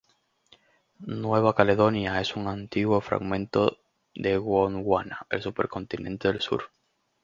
Nueva Caledonia es un antiguo fragmento de Gondwana, el supercontinente del sur.